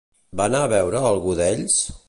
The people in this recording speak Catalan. Va anar a veure a algú d'ells?